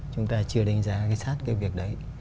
chúng ta chưa đánh giá sát cái việc đấy